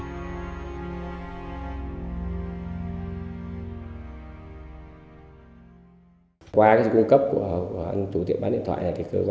qua cái cung cấp của anh tù tiệm bán điện thoại này thì cơ quan điều tra đã mời đối tượng lê thị hường sinh sống tại xã xà bàng huyện châu đức tỉnh bà rịu ngọc tàu lên làm việc